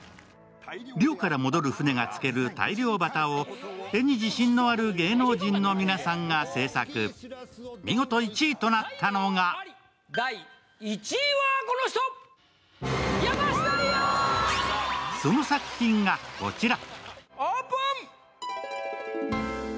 漁から戻る船がつける大漁旗を絵に自信のある芸能人の皆さんが制作、見事１位となったのがその作品が、こちら。